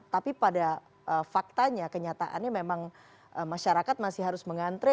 tapi pada faktanya kenyataannya memang masyarakat masih harus mengantre